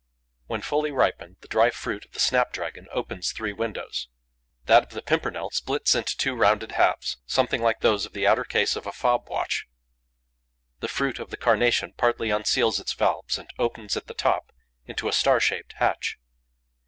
When fully ripened, the dry fruit of the snap dragon opens three windows; that of the pimpernel splits into two rounded halves, something like those of the outer case of a fob watch; the fruit of the carnation partly unseals its valves and opens at the top into a star shaped hatch.